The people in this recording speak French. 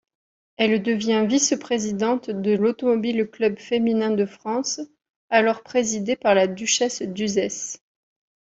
Elle devient vice-présidente de l'Automobile-Club Féminin de France, alors présidé par la duchesse d'Uzès.